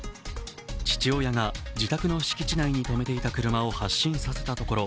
父親が自宅の敷地内に止めていた車を発進させたところ